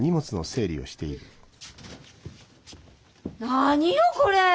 何よこれ。